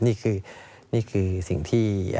นี่คือสิ่งที่